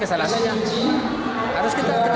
karena saya lihat cepat saya lakukan itu